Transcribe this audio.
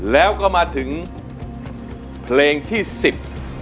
แล้วก็มาถึงเพลงที่สิบ